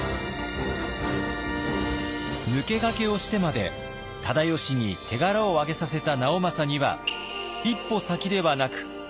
抜け駆けをしてまで忠吉に手柄をあげさせた直政には一歩先ではなく二歩先。